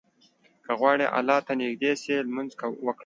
که غواړې الله ته نيږدى سې، لمونځ وکړه.